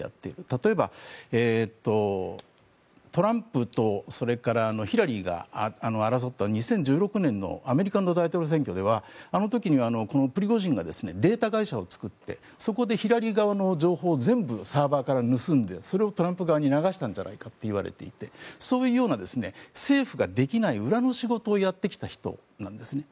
例えば、トランプとそれからヒラリーが争った２０１６年のアメリカの大統領選挙ではあの時にはこのプリゴジンがデータ会社を作ってそこでヒラリー側の情報を全部サーバーから盗んでそれをトランプ側に流したんじゃないかといわれていてそういうような政府ができない裏の仕事をやってきた人なんですね。